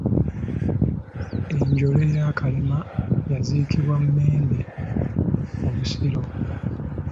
Enjole ya Kalema yaziikibwa Mmende mu Busiro.